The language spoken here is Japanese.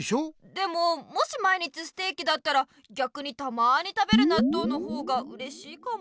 でももし毎日ステーキだったらぎゃくにたまに食べるなっとうの方がうれしいかも。